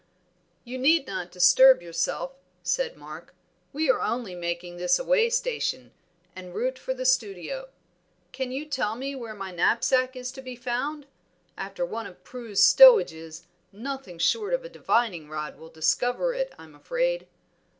"You need not disturb yourself," said Mark, "we are only making this a way station, en route for the studio. Can you tell me where my knapsack is to be found? after one of Prue's stowages, nothing short of a divining rod will discover it, I'm afraid."